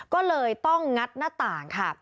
ก็เลยต้องงัดหน้าต่างค่ะ